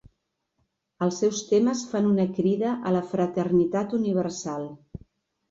Els seus temes fan una crida a la fraternitat universal.